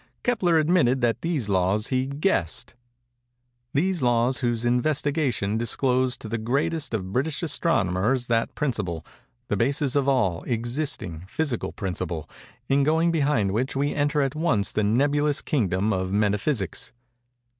Kepler admitted that these laws he guessed—these laws whose investigation disclosed to the greatest of British astronomers that principle, the basis of all (existing) physical principle, in going behind which we enter at once the nebulous kingdom of Metaphysics.